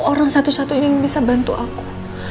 orang satu satunya yang bisa bantu aku